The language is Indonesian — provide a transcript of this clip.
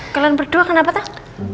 kalian berdua kenapa tak